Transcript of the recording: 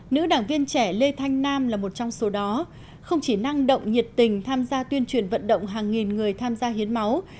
nữ đảng viên trẻ lê thanh nam là một trong số đó không chỉ năng động nhiệt tình tham gia tuyên truyền vận động hàng nghìn người tham gia hiến máu